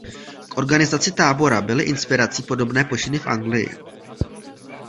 K organizaci tábora byly inspirací podobné počiny v Anglii.